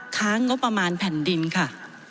ค้างงบประมาณแผ่นดินค่ะ